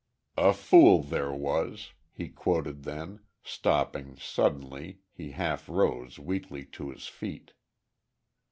'A fool there was'" he quoted; then, stopping, suddenly, he half rose, weakly, to his feet.